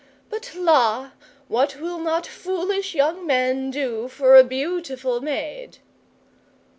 But la! what will not foolish young men do for a beautiful maid?